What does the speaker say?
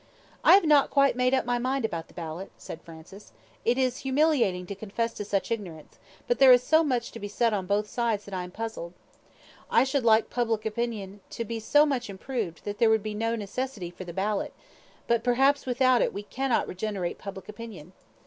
"I have not quite made up my mind about the ballot," said Francis. "It is humiliating to confess to such ignorance, but there is so much to be said on both sides that I am puzzled. I should like public opinion to be so much improved that there would be no necessity for the ballot, but perhaps without it we cannot regenerate public opinion.